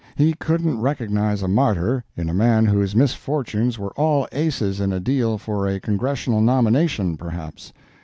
He couldn't recognize a martyr in a man whose misfortunes were all aces in a deal for a Congressional nomination, perhaps.